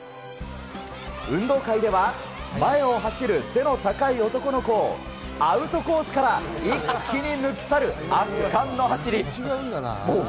運動会では前を走る背の高い男をアウトコースから一気に抜き去る圧巻の走り。